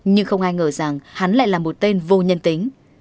nhưng không ai ngờ rằng hắn lại là một tên vô nhân tính